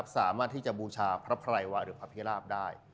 สามารถที่จะบูชาพระภรรยาพได้